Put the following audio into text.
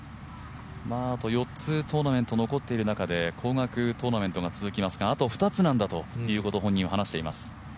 あと４つトーナメント残っている中で高額トーナメントが続きますが、あと２つなんだということを本人は話しています。